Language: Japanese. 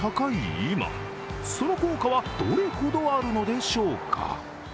今その効果はどれほどあるのでしょうか。